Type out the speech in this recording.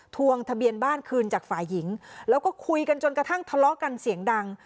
วงทะเบียนบ้านคืนจากฝ่ายหญิงแล้วก็คุยกันจนกระทั่งทะเลาะกันเสียงดัง